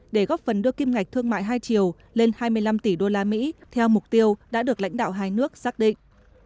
để góp phần đưa kim ngạch thương mại hai triệu lên hai mươi năm tỷ usd theo mục tiêu đã được lãnh đạo hai nước xác định